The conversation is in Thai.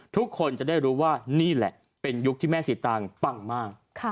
ทุกคนจะได้รู้ว่านี่แหละเป็นยุคที่แม่สีตางปังมาก